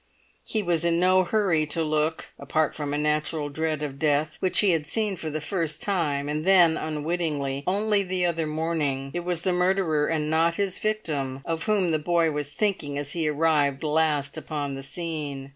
He was in no hurry to look; apart from a natural dread of death, which he had seen for the first time, and then unwittingly, only the other morning, it was the murderer and not his victim of whom the boy was thinking as he arrived last upon the scene.